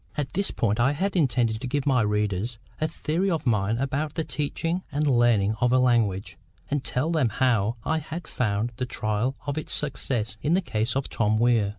At this point I had intended to give my readers a theory of mine about the teaching and learning of a language; and tell them how I had found the trial of it succeed in the case of Tom Weir.